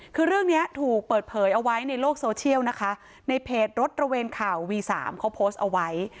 คือเรื่องนี้ถูกเปิดเผยเอาไว้ในโลกโซเชียลนะคะในเพจรถระเวนข่าววีสามเขาโพสต์เอาไว้